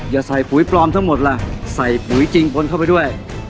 อย่าใส่ปุ๋ยปลอมทั้งหมดล่ะใส่ปุ๋ยจริงปนเข้าไปด้วย